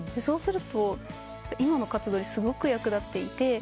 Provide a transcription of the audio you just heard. そうすると今の活動にすごく役立っていて。